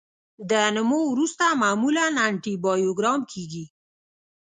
د نمو وروسته معمولا انټي بایوګرام کیږي.